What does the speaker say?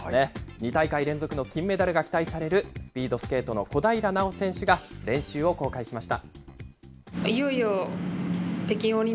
２大会連続の金メダルが期待されるスピードスケートの小平奈緒選手が、練習を公開しました。